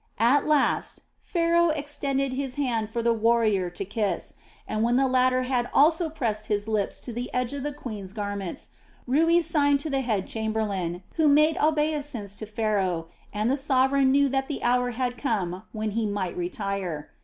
At last Pharaoh extended his hand for the warrior to kiss, and when the latter had also pressed his lips to the edge of the queen's garments, Rui signed to the head chamberlain, who made obeisance to Pharaoh, and the sovereign knew that the hour had come when he might retire.